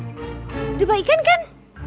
udah baik kan kan